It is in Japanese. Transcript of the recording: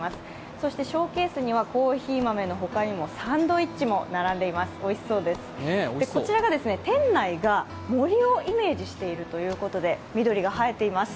そしてショーケースにはコーヒー豆のほかにもサンドイッチも並んでいます、おいしそうですこちら、店内が森をイメージしているということで緑が映えています。